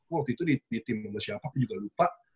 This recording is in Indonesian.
waktu itu di tim gue siapa aku juga lupa